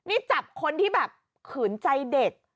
นี่จับคนที่แบบขืนใจเด็ก